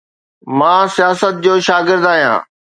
مان سياست جو شاگرد آهيان.